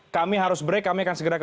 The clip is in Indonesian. kami harus break